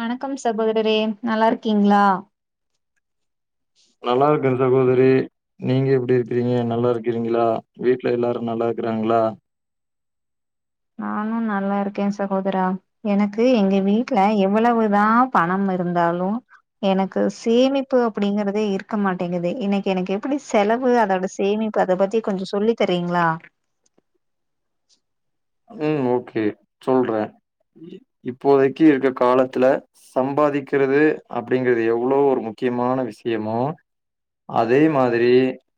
வணக்கம் சகோதரரே நல்லா இருக்கீங்ளா நல்லா இருக்கேன் சகோதரி நீங்க எப்படி இருக்கிறீங்க நல்லா இருக் கிறீங்களா வீட்ல எல்லாரு நல்லா இருக்குறாங்களா நானும் நல்லா இருக்க சகோதரா எனக்கு எங்க வீட்ல எவ்வளவுதா பணம் இருந்தாலு எனக்கு சேமிப்பு அப்படிங்கறதே இருக்க மாட்டங்ககுது இன்னைக்கு எனக்கு எப்படி செலவு அதோட சேமிப் இப்ப அத பத்தி கொஞ்சோ சொல்லி தரீங்ளா. ம் ஓகே சொல்றே. இப்போதைக்கு இருக்க காலத்துல சம்பாதிக்கிறது அப்படிங்கறது எவ்ளோ ஒரு முக் முக்கியமான விஷயமு அதே மாதிரி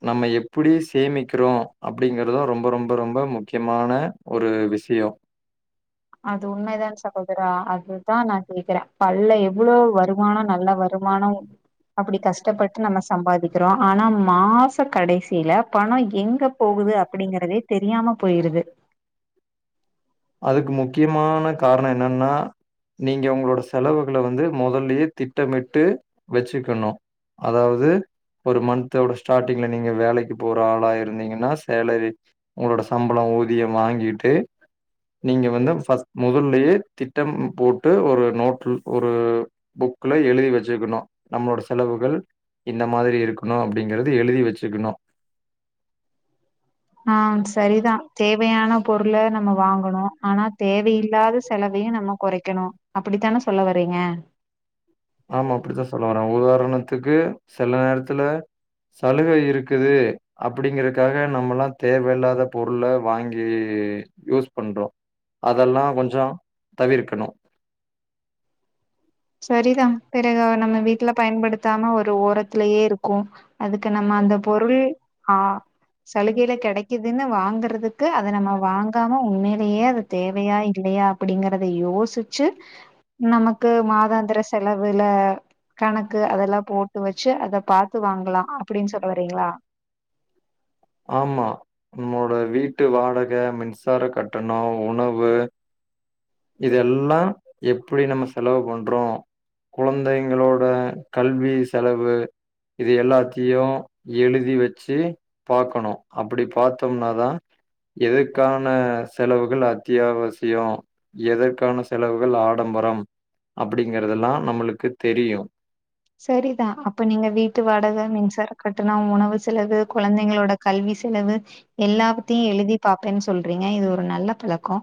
நம்ம எப்புடி சேமிக்கிறோ அப்படிங்கறதா ரொம்ப ரொம்ப ரொம்ப முக்கியமான ஒரு விஷியோ. அது உண்மைதான் சகோத் கிறோ அதுதா நா கேக்குறே பல்ல எவ்வுளோ வருமானோ நல்ல வருமானோ அப்படி கஷ்டப்பட்டு நம்மஸ் சம்பாதிக்கிறோ ஆனா மாச கடைசியில பணோ எங்க போகுது அப்படிங்கறதே தெரியாம போயிருது அதுக்கு முக்கியமான காரணோ என்னன்னா நீங்க உங்களோட செலவுகள வந்து மொதல்லயே திட்டமிட்டு வச்சுக்கணு. அதாவது ஒரு மந்த்தோட ஸ்டார்டிங்ல நீங்க வேலைக்கு போற ஆளா இருந்தீங்கன்னா சேலரி உங்களோட சம்பளோ ஊதியம் வாங்கிட்டு. நீங்க வந்து ஃபஸ்ட் முதல்லயே திட்டம் போட்டு ஒரு நோட்டுல் ஒரு புக்ல எழுதி வச்சுக்கணு நம்மளோட செலவுகள் இந்த மாதிரி இருக்கணு அப்படிங்கறது எழுதி வச்சுக்கணு. ஆ, சரிதா தேவையான பொருள நம்ம வாங்கணு. ஆனா தேவையில்லாத செலவையு நம்ம கொறைக்கணு அப்படித்தான சொல்ல வரீங்க ஆமா அப்படித்தா சொல்ல வரே உதாரணத்துக்கு சில நேரத்துல சலுக இருக்குது அப்படிங்கறக்காக நம்மல்லா தேவயில்லாத பொருள வாங்கி கி யூஸ் பண்றோ. அதெல்லா கொஞ்சோ தவிர்க்கணு. சரிதா பிறகு நம்ம வீட்டுல பயன்படுத்தாம ஒரு ஓரத்திலயே இருக்கு அதுக்கு நம்ம அந்த பொருள் ஆ, சலுகையில கெடைக்குதுன்னு வாங்கறதுக்கு அத நம்ம வாங்காம உண்மையிலேயே அது தேவையா இல்லையா அப்படிங்கறத யோசி ச்சு நமக்கு மாத் தாந்திர செலவுல கணக்கு அதெல்லா போட்டு வச்சு அத பாத்து வாங்கலா. அ, அப்டின் சொல்ல வரீங்களா ஆமா. நம்மோட வீட்டு வாடக மின்சார கட்டணோ உணவு இதெல்லா எப்புடி நம்ம செலவு பண்றோ குழந்தைங்களோட கல்வி செலவு இது எல்லாத்தையு எழுதி வச்சு பாக்கணு அப்படி பாத்தோம்னாதா எதுக்கானஸ் செலவுகள் அத்தியாவசியோ எதற்கான செலவுகள் ஆடம்பரம். அப்படிங்கறதெல்லா நம்மளுக்கு தெரியு. சரக்கட்டணோ உணவு செலவு குழந்தைங்களோட கல்வி செலவு எல்லாவுத்தியு எழுதிப் பாப்பேன்னு சொல்றீங்க இது ஒரு நல்ல பழக்கோ.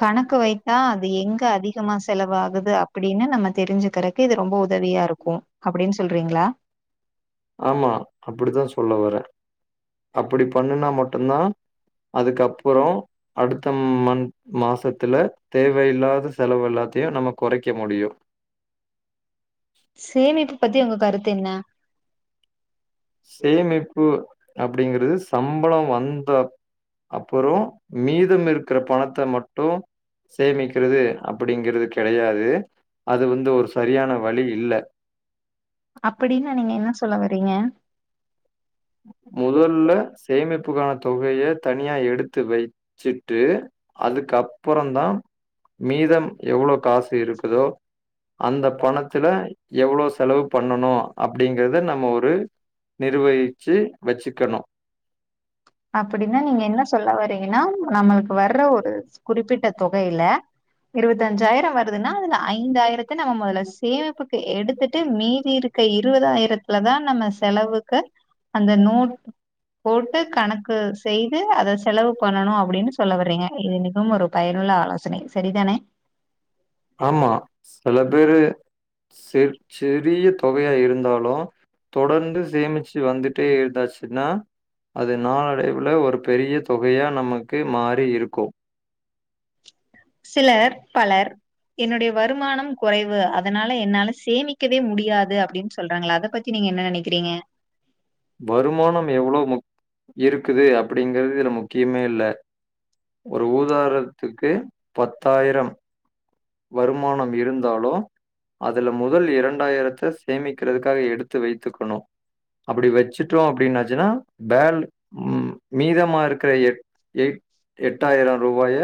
கணக்கு வைத்தா அது எங்க அதிகமா செலவாகுது அப்படின்னு நம்ம தெரிஞ்சுக்கறக்கு இது ரொம்ப உதவியா இருக்கு அப்டின்னு சொல்றீங்ளா ஆமா அப்படித்தா சொல்ல வரே அப்படி பண்ணுனா மட்டுந்தா அதுக்கப்புறோ அடுத்த மந்த் மாசத்துல தேவையில்லாத செலவு எல்லாத் த்தையு நம்ம கொறைக்க முடியு. சேமிப்பு பத்தி உங்க கருத்து என்ன சேமிப்பு அப்படிங்கறது சம்பளோ வந்தாத் அப்புறோ மீத் தம் இருக்கிற பணத்த மட்டூ சேமிக்கிறது அப்படிங்கிறது கெடையாது அது வந்து ஒரு சரியான வழி இல்ல அப்பிடினா நீங்க என்ன சொல்ல வறீங்க மொதல்ல சேமிப் புக்கான தொகைய தனியா எடுத்து வைச்சுட்டு அதுக்கப்புறந்தா மீதம் எவ்ளோ காசு இருக்குதோ அந்த பணத்துல எவ்ளோ செலவு பண்ணணு அப்டிங்கிறத நம்ம ஒரு நிர்வகி வெச்சுக்கணு அப்பிடின்னா நீங்க என்ன சொல்ல வரீங்கனா நம்மளுக்கு வர்ற ஒரு குறிப்பிட்ட தொகையிலே இருவத்தஞ்சாயிர வருதுனா அதுல ஐந்தாயிரத்த நம்ம மொதல சேமிப்புக்கு எடுத்துட்டு மீதி இருக்க இருவதாயிரத்ல தா நம்ம செலவுக்கு அந்த நோட் போட்டு உ செய்து அத செலவு பண்ணணு அப்டின் சொல்ல வர்றீங்க இது மிகவும் ஒரு பயனுள்ள ஆலோசனை சரிதானே ஆமா சில பேரு சேர்ச்சு பிரிய தொகையா இருந்தாலு தொடர்ந்து சேமிச்சு வந்துட்டே இர்ந்தாச்சுன்னா அது நாளைவுல ஒரு பெரிய தொகையா நமக்கு மாறி இருக்கூ சிலர் பலர் என்னுடைய வருமானம் கொறைவு அதனால என்னால சேமிக்கவே முடியாது அப்டின் சொல்றாங்கல அத பத்தி நீங் என்ன நனைக்றீங்க வருமானம் எவ்ளோ முக் இருக்குது அப்டிங்கிறது இதுல முக்கியமேல்ல ஒரு ஊதாரத்துக்கு பத்தாயிரம் வருமானம் இருந்தாலூ அதுல முதல் இரண்டாயிரத்த சேமிக்கிறதுக்காக எடுத்து வைத்துக்கணு அப்பிடி வச்சுட்டோ அப்டின்னாச்சுனா பேல் ம் மீதமாருக்கிற எட் எட் எட்டாயிரோ ரூவாய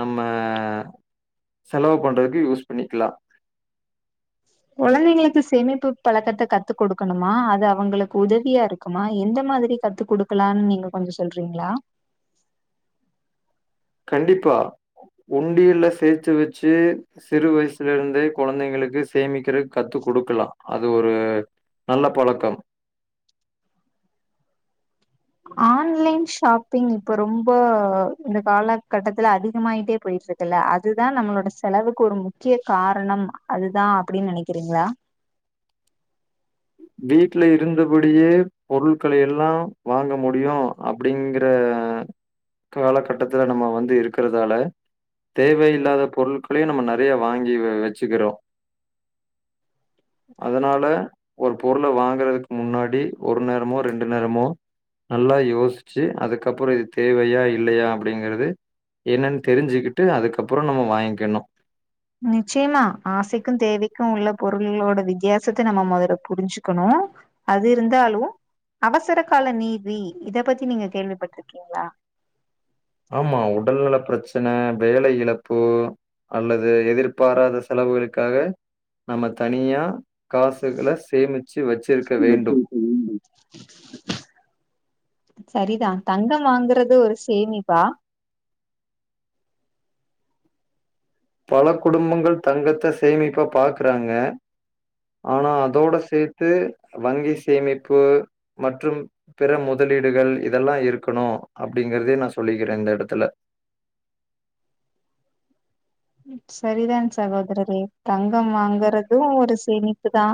நம்ம செலவு பண்றதுக்கு யூஸ் பண்ணிக்லா கொழந்தைகளுக்கு சேமிப்பு பழக்கத்த கத்து கொடுக்கணு மா அது அவங்களுக்கு உதவியா இருக்குமா எந்த மாதிரி கத்து குடுக்கலான் நீங்க கொஞ்சோ சொல்ற் றீங்ளா கண்டிப்பா ஒண்டியில்ல சேத்து வச்சு சிறு வயசுலருந்தே கொழந்தைங்களுக்கு சேமிக்கிறத் கத்து குடுக் க்லா அது ஒரு நல்ல பழக்கம் ஆன்லைன் ஷாப் பிங் இப்ப ரொம்போ இந்த காலகட்டத்தில அதிகமாய்ட்டே போயிட்ருக்குல அதுதா நம்ளோட செ லவுக்கு ஒரு முக்கிய காரணம் அதுதா அப்டின் நெனக்றீங்ளா வீட்ல இருந்தபட் டியே பொருள்களை எல்லா வாங்க முடியு அப்டிங்கிற காலகட்டத்ல நம்ம வந்து இருக்கிறதால தேவையில்லாத பொருள் ப்ளே நம்ம நெறைய வாங்கி வெ வெச்சுக்கிறோ அதனால ஒரு பொருள வாங்குறதுக் முன்னாடி ஒரு நேரமோ ரெண்டு நேரமோ நல்லா யோசிச்சு அதுக்கப்புற இது தேவையா இல்லையா அப்டிங்கிறது என்னனு தெரிஞ்சிக்கிட்டு அதுக்கப்புற நம்ம வாய்ங்க்கணு நிச்சயமா ஆசைக்கூ தேவைக்கூ உள்ள பொருள்களோட வித்தியாசத்த நம்ம மொதல்ல புரிஞ்சுக்கணூ அது இருந்தாலு அவசர கால நீதி இத பத்தி நீங்க கேள்விபட்ருக்கீங்ளா ஆமா உடல் நல ப்ரச்சன வேல இழப்பு அல்லது எதிர்பாராத செலவுகளுக்காக நம்ம தனியா காசுகள சேமித் [unintelligible] சரிதா தங்க வாங்குறது ஒரு சேமிப்பா பல குடும்பங்கள் தங்கத்த சேமிப்பா பாக்குறாங்க ஆனா அதோட சே த்து வங்கி சேமிப்பு மற்றும் பிற முதலீடுகள் இதெல்லா இருக்கனு அப்டிங்கிறதே நா சொல்லிக்கிறே இந்த எடத்துல சரிதா சகோதரரே தங்கம் வாங்கறது ஒரு சேமிப்பு தா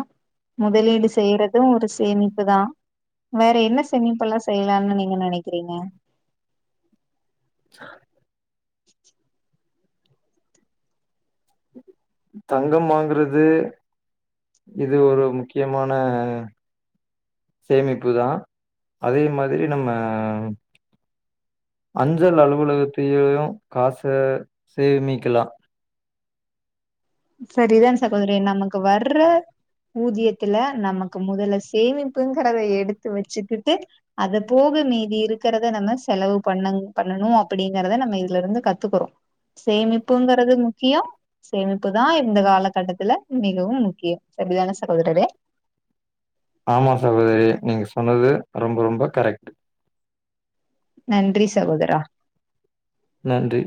முதலீடு செய்யறது ஒரு சேமிப்பு தா வேற என்ன சேமிப்பெல்லா செய்லானு நீங்க நனைக்கிறீங்க தங்கம் வாங்குறது இது ஒரு முக்கிய மான சேமிப்பு தா அதே மாதிரி நம்ப அஞ்சல் அலுவலகத்தியு காச சேமிக்கலா சரிதான் சகோதரே நமக்கு வர்ற ஊதியத்துல நமக்கு முதல சேமிப்புங்கறத எடுத்து வச்சுக்கிட்டு அத போக மீதி இருக்குறத நம்ப செலவு பண்ணங் பண்ணனு அப்டிங்கறத நம்ப இதுல இருந்து கத்துக்குறோ சேமிப்புங்கறது முக்கியோ சேமிப் பு தா இந்த காலகட்டத்துல மிகவு முக்கியோ சரிதானா சகோதரரே ஆமா சகோதரி நீங்க சொன்னது ரொம்ப ரொம்ப கரெக்ட் நன்றி சகோதரா நன்றி